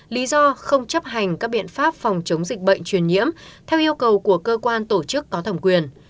lý do không chấp hành các biện pháp phòng chống dịch bệnh truyền nhiễm theo yêu cầu của cơ quan tổ chức có thẩm quyền